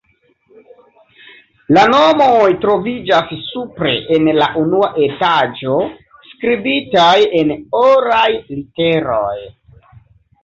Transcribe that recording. La nomoj troviĝas supre en la unua etaĝo, skribitaj en oraj literoj.